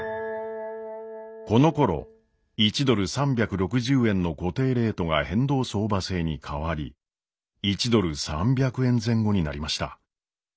このころ１ドル３６０円の固定レートが変動相場制に変わり１ドル３００円前後になりました。